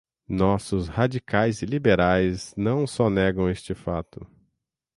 Nossos radicais e liberais não só negam este fato